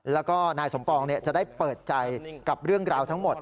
แล้วก็นายสมปองจะได้เปิดใจกับเรื่องราวทั้งหมด